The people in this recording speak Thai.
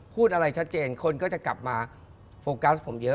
พูดอะไรชัดเจนคนก็จะกลับมาโฟกัสผมเยอะ